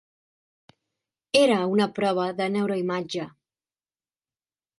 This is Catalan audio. Era una prova de neuroimatge.